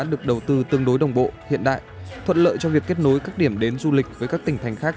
được đầu tư tương đối đồng bộ hiện đại thuận lợi cho việc kết nối các điểm đến du lịch với các tỉnh thành khác